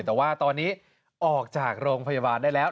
แต่ว่าตอนนี้ออกจากโรงพยาบาลได้แล้ว